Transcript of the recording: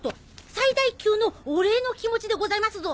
最大級のお礼の気持ちでございますぞ！